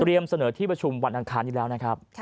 เตรียมเสนอที่ประชุมวันอังคารเวลานะครับ